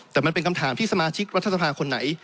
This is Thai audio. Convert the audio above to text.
แต่มันเป็นคำถามที่สมาชิกรัฐสภาคนไหน